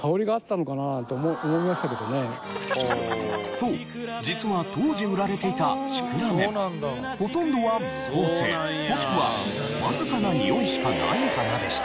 そう実は当時売られていたシクラメンほとんどは無香性もしくはわずかな匂いしかない花でした。